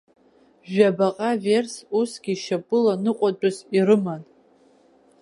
Жәабаҟа верс усгьы шьапыла ныҟәатәыс ирыман.